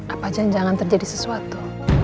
apa janjangan terjadi sesuatu